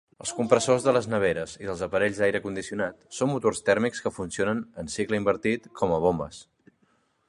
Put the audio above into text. Els compressors de les neveres i dels aparells d'aire condicionat són motors tèrmics que funcionen en cicle invertit com a bombes.